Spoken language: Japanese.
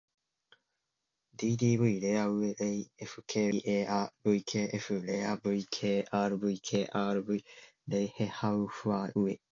ｄｄｖ れあうれい ｆ け ｆ るいええあ ｖｋｆ れあ ｖ け ｒｖ け ｒｖ れいへはうふぁういえ